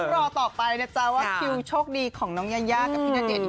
รอต่อไปนะจ๊ะว่าคิวโชคดีของน้องยายากับพี่ณเดชน